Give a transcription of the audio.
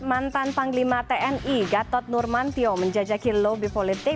mantan panglima tni gatot nurmantio menjajaki lobi politik